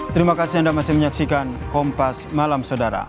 terima kasih anda masih menyaksikan kompas malam saudara